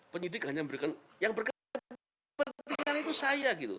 penyidik hanya memberikan yang berkepentingan itu saya gitu